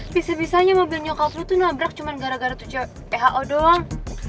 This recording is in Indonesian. bisa bisanya mobil nyokap lo tuh nabrak cuma gara gara tujuan eho doang